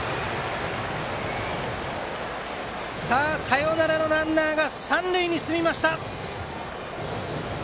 さあ、サヨナラのランナーが三塁に進みました！